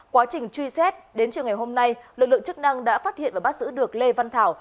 quá trình truy xét đến chiều ngày hôm nay lực lượng chức năng đã phát hiện và bắt giữ được lê văn thảo